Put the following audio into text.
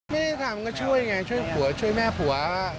ไม่ได้ถามก็ช่วยไงช่วยแม่ผัว